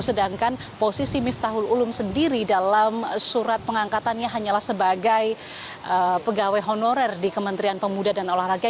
sedangkan posisi miftahul ulum sendiri dalam surat pengangkatannya hanyalah sebagai pegawai honorer di kementerian pemuda dan olahraga